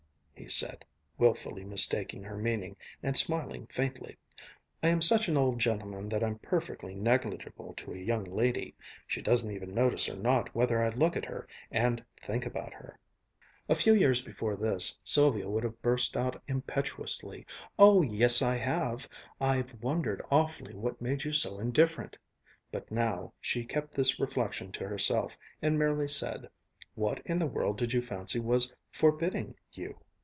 he said, wilfully mistaking her meaning, and smiling faintly, "I am such an old gentleman that I'm perfectly negligible to a young lady. She doesn't even notice or not whether I look at her, and think about her." A few years before this Sylvia would have burst out impetuously, "Oh yes, I have! I've wondered awfully what made you so indifferent," but now she kept this reflection to herself and merely said, "What in the world did you fancy was 'forbidding' you?"